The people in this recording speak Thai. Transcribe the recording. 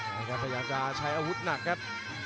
พยายามจะใช้อาหุธหนักครับ